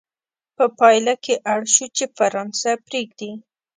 په پایله کې اړ شو چې فرانسه پرېږدي.